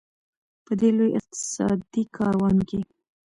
په دې لوی اقتصادي کاروان کې.